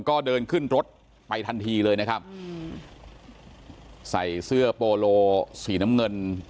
ก็เดินขึ้นรถไปทันทีเลยนะครับอืมใส่เสื้อโปโลสีน้ำเงิน